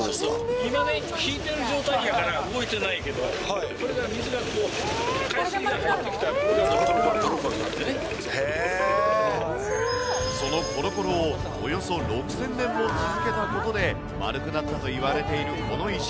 今ね、引いてる状態やから動いてないけど、それが水がこう、海水が入ってきたら、そのころころをおよそ６０００年も続けたことで、丸くなったと言われているこの石。